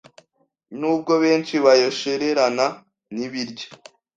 nubwo benshi bayashorerana n’ibiryo